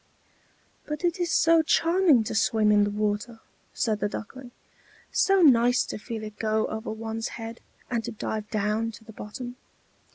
"But it is so charming to swim in the water," said the Duckling, "so nice to feel it go over one's head, and to dive down to the bottom!"